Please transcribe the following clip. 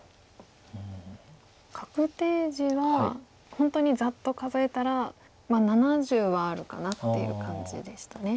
確定地は本当にざっと数えたら７０はあるかなっていう感じでしたね。